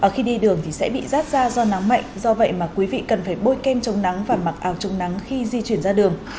khi đi đường thì sẽ bị rát ra do nắng mạnh do vậy mà quý vị cần phải bôi kem chống nắng và mặc áo chống nắng khi di chuyển ra đường